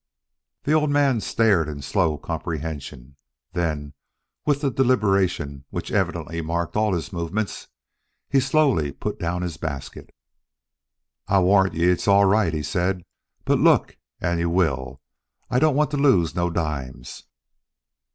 The old man stared in slow comprehension; then with the deliberation which evidently marked all his movements, he slowly put down his basket. "I warrant ye it's all right," he said. "But look, an ye will. I don't want to lose no dimes."